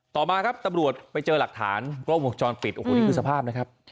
ต่อมาก็ไปเจอหลักฐานวงวงจรปิดคือสภาพนะครับ